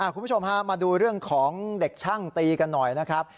คุณผู้ชมฮะมาดูเรื่องของเด็กช่างตีกันหน่อยนะครับ